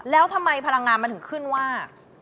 แล้วทำไมพลังงานมันถึงขึ้นว่า